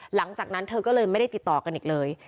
หลังจากนั้นเธอก็เลยไม่ได้ติดต่อกันอีกเลย